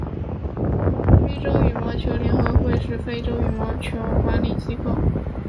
非洲羽毛球联合会是非洲羽毛球运动管理机构。